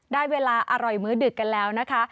ได้เวลาอร่อยมื้อดึกกันแล้วนะคะ